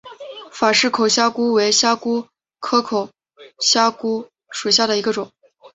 法氏口虾蛄为虾蛄科口虾蛄属下的一个种。